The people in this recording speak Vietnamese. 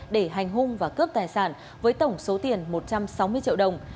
để hành hung và cướp tài sản với tổng số tiền một trăm sáu mươi triệu đồng